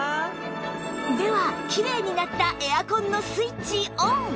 ではきれいになったエアコンのスイッチオン！